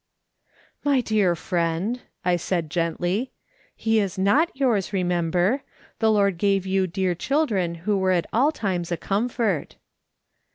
" My dear friend,'' I said gently, " he is not yours, remember; the Lord gave you dear children who were at all times a comfort."